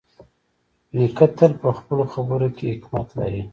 نیکه تل په خپلو خبرو کې حکمت لري.